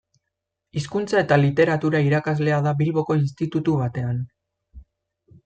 Hizkuntza eta Literatura irakaslea da Bilboko institutu batean.